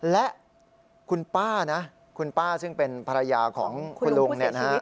และคุณป้านะคุณป้าซึ่งเป็นภรรยาของคุณลุงเนี่ยนะฮะ